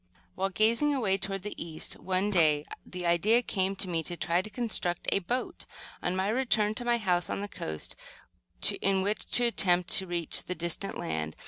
While gazing away toward the east one day, the idea came to me to try to construct a boat, on my return to my house on the coast, in which to attempt to reach the distant land.